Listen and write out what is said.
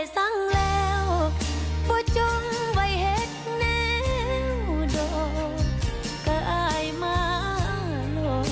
ไปเหลนี่ไสมาซ